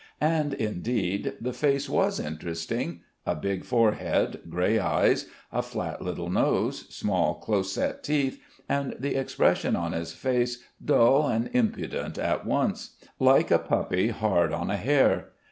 And indeed the face was interesting: a big forehead, grey eyes, a flat little nose, small close set teeth, and the expression on his face dull and impudent at once, like a puppy hard on a hare.